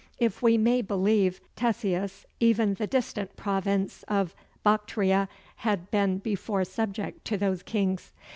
If we may believe Ctesias, even the distant province of Bactria had been before subject to those kings.